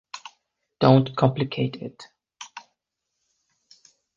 Don't complicate it!